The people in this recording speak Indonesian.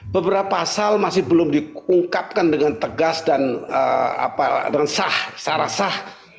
beberapa pasal masih belum diungkapkan dengan tegas dan dengan sah secara sah